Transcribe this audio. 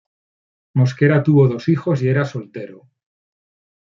Mosquera tuvo dos hijos y era soltero.